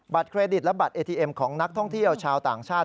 เครดิตและบัตรเอทีเอ็มของนักท่องเที่ยวชาวต่างชาติ